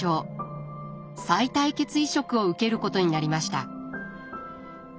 さい帯血移植を受けることになりました。